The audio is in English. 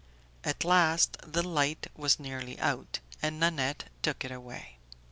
At last the light was nearly out, and Nanette took it away.